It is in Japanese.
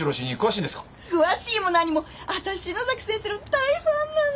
詳しいも何も私篠崎先生の大ファンなの！